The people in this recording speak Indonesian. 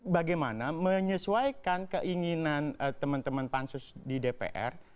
bagaimana menyesuaikan keinginan teman teman pansus di dpr